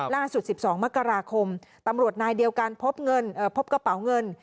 ล่าสุด๑๒มกราคมตำรวจนายเดียวกันพบเงินพบกระเป๋าเงิน